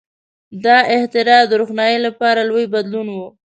• دا اختراع د روښنایۍ لپاره لوی بدلون و.